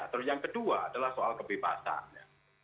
terus yang kedua adalah soal kebebasan ya